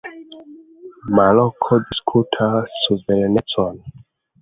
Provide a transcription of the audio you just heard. Maroko diskutas suverenecon.